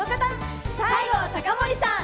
西郷隆盛さん！